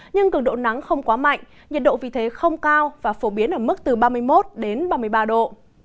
nhưng cường độ nắng không quá mạnh nhiệt độ vì thế không cao và phổ biến ở mức từ ba mươi một đến ba mươi ba độ